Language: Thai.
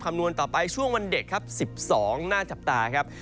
นวณต่อไปช่วงวันเด็กครับ๑๒น่าจับตาครับ